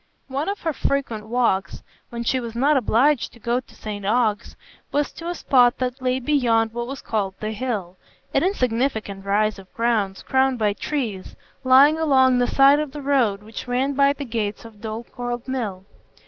One of her frequent walks, when she was not obliged to go to St Ogg's, was to a spot that lay beyond what was called the "Hill,"—an insignificant rise of ground crowned by trees, lying along the side of the road which ran by the gates of Dorlcote Mill.